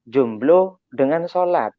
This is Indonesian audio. jumblo dengan sholat